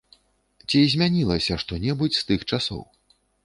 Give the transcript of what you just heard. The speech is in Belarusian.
Ці змянілася што-небудзь з тых часоў?